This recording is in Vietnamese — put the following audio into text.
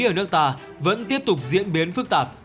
ở nước ta vẫn tiếp tục diễn biến phức tạp